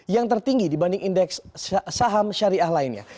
yang tertinggi dibanding indeks saham syariah lainnya